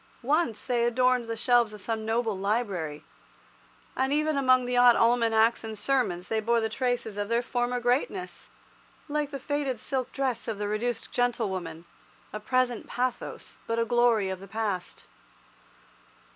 Once they adorned the shelves of some noble library, and even among the odd almanacs and the sermons they bore the traces of their former greatness, like the faded silk dress of the reduced gentlewoman, a present pathos but a glory of the past.